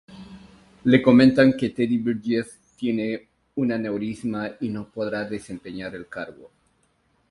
Le comentan que Teddy Bridges tiene un aneurisma y no podrá desempeñar el cargo.